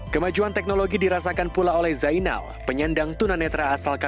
kemajuan teknologi dirasakan pula oleh zainal penyendang tuna netra asal kalimantan